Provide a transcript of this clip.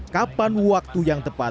kapan waktu yang tepat